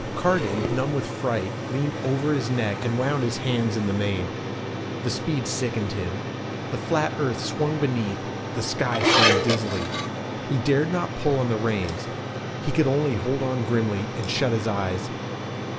Cargan, numb with fright, leaned over his neck and wound his hands in the mane. The speed sickened him. The flat earth swung beneath, the sky swam dizzily. He dared not pull on the reins; he could only hold on grimly and shut his eyes.